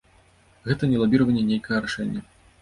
Гэта не лабіраванне нейкага рашэння.